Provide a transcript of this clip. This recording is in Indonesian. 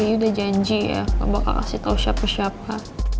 daya udah janji ya gak bakal kasih tau siapa siapa